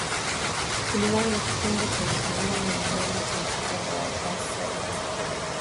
kulingana na kifungo cha ishirini na mbili cha mkataba wa Versailles